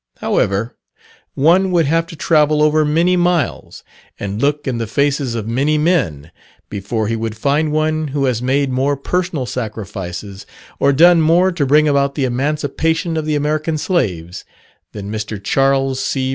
However, one would have to travel over many miles, and look in the faces of many men, before he would find one who has made more personal sacrifices, or done more to bring about the Emancipation of the American Slaves, than Mr. Charles C.